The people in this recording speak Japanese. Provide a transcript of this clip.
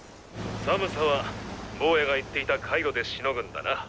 寒さはボウヤが言っていたカイロでしのぐんだな。